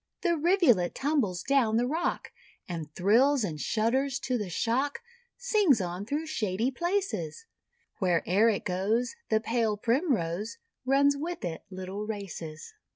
The Rivulet tumbles down the rock, And thrills and shudders to the shock9 Sings on through shady places; Where'er it goes, The Pale Primrose Runs with it little races.